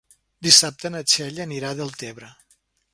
Dissabte na Txell anirà a Deltebre.